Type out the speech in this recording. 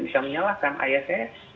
bisa menyalahkan ayah saya